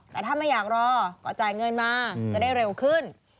แต่ถ้าไม่อยากรอก็จ่ายเงินมาจะได้เร็วขึ้น